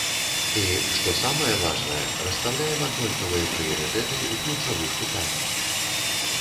І, што самае важнае, расстаўляем аднолькавыя прыярытэты ў ключавых пытаннях.